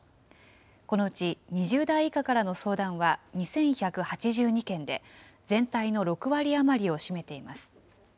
このうち２０代以下からの相談は２１８２件で、全体の６割余りを占めています。